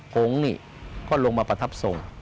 หงนี่ก็ลงมาประทับทรง